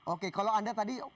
oke kalau anda tadi